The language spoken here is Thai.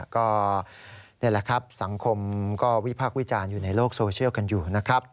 ก็นี่แหละครับสังคมก็วิพากษ์วิจารณ์อยู่ในโลกโซเชียลกันอยู่นะครับ